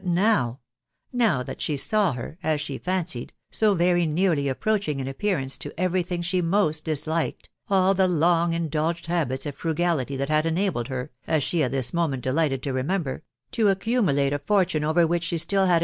now, now that, she saw her; .as she fancied, so* very nearly approaching in appearance to, every thing she most disliked, all the long indulged: habits of frugality that had enabled, her (a» she at this moment delighted to remember), to accumulate a fortune over which she still had